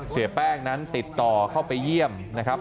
เสียแป้งนั้นติดต่อเข้าไปเยี่ยมนะครับ